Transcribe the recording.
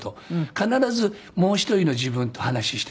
必ずもう一人の自分と話しています